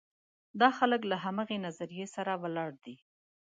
دا خلک نه له همغه نظریې سره ولاړ دي.